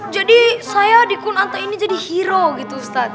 jadi saya di kun anta ini jadi hero gitu ustadz